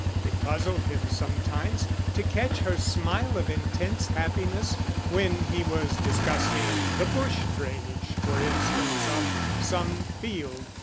It puzzled him sometimes to catch her smile of intense happiness, when he was discussing the bush drainage, for instance, of some field.